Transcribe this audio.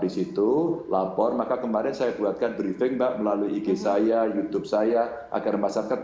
disitu lapor maka kemarin saya buatkan briefing mbak melalui ig saya youtube saya agar masyarakat